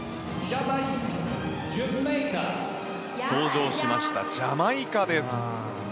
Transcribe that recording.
登場しましたジャマイカです。